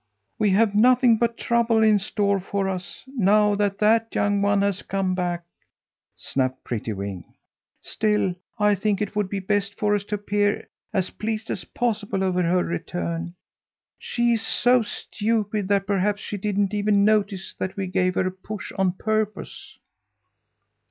"We have nothing but trouble in store for us, now that that young one has come back!" snapped Prettywing. "Still I think it would be best for us to appear as pleased as possible over her return. She is so stupid that perhaps she didn't even notice that we gave her a push on purpose."